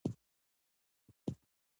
ایا تاسو خپل اهداف د عمل لپاره لیکلي؟